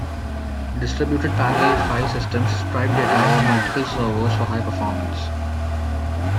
Distributed parallel file systems stripe data over multiple servers for high performance.